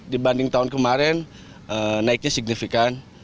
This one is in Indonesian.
dibanding tahun kemarin naiknya signifikan